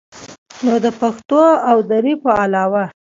نو د پښتو او دري په علاوه